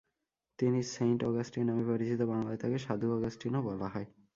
তিনি saint Augustine নামে পরিচিত, বাংলায় তাকে সাধু অগাস্টিনও বলা হয়।